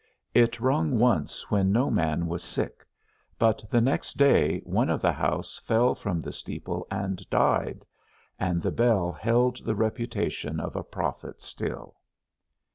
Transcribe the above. It rung once when no man was sick, but the next day one of the house fell from the steeple and died, and the bell held the reputation of a prophet still.